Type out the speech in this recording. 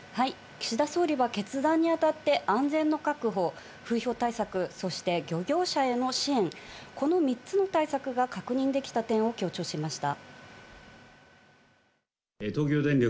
岸田総理は決断に当たって、安全の確保、風評対策、そして漁業者への支援、この３つの対策が確認できた点を強調しました。